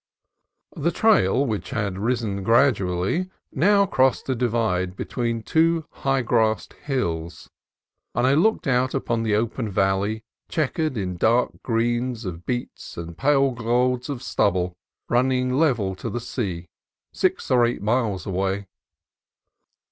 The trail, which had risen gradually, now crossed a divide between two high grassed hills, and I looked out upon the open valley, chequered in dark green of beets and pale gold of stubble, running level to the sea, six or eight miles away.